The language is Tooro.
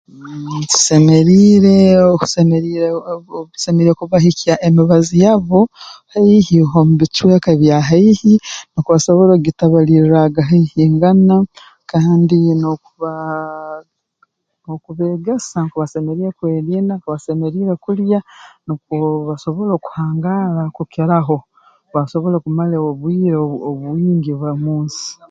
Mmh tusemeriire tusemeriire obu tusemeriire kubahikya emibazi yabo haihi h'omu bicweka ebya haihi nukwo basobole okugitabalirraaga haihingana kandi n'oku baa okubeegesa nku basemeriire kwerinda nku basemeriire kulya nukwo basobole okuhangaara kukiraho nukwo basobole kumara obwire bwingi omu nsi